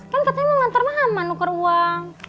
kan katanya mau nganter mama nuker uang